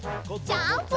ジャンプ！